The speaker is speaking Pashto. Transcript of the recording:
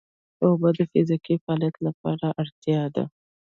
اوبه د فزیکي فعالیت لپاره اړتیا ده